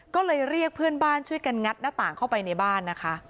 ก็เลยเรียกเพื่อนบ้านช่วยกันงัดหน้าต่างเข้าไปในบ้านนะคะ